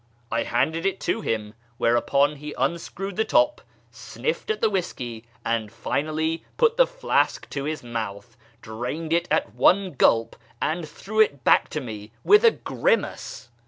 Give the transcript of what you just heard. I handed it to him, whereupon he unscrewed the top, sniffed at the whisky, and finally put the flask to his mouth, drained it at one gulp, and threw it back to me with a grimace.